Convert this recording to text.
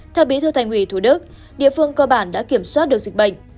theo bí thư thành ủy thủ đức địa phương cơ bản đã kiểm soát được dịch bệnh